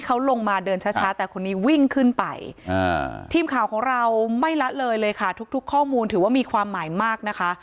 เขาลงมาเดินช้าแต่คนนี้วิ่งขึ้นไปทีมข่าวของเราไม่ละเลยเลยค่ะทุกข้อมูลถือว่ามีความหมายมากนะคะ